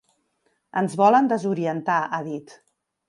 Ens volen desorientar, ha dit.